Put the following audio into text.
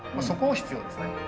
そこ必要ですね。